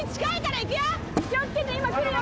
気をつけて今来るよ